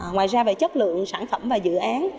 ngoài ra về chất lượng sản phẩm và dự án